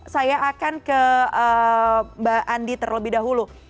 saya akan ke mbak andi terlebih dahulu